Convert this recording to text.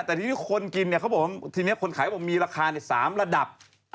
แต่ทีนี้คนกินเนี่ยเขาบอกว่าทีนี้คนขายบอกมีราคาใน๓ระดับ